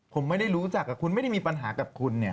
ผมไม่ได้รู้จักกับคุณไม่ได้มีปัญหากับคุณ